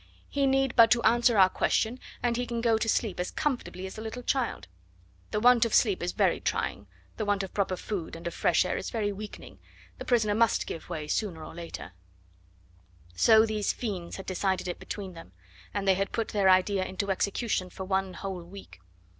He need but to answer our question, and he can go to sleep as comfortably as a little child. The want of sleep is very trying, the want of proper food and of fresh air is very weakening; the prisoner must give way sooner or later " So these fiends had decided it between them, and they had put their idea into execution for one whole week.